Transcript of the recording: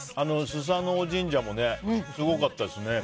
素盞鳴神社もすごかったですね。